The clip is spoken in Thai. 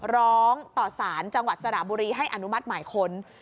ร้องต่อสารจังหวัดสระบุรีให้อนุมัติหมายค้น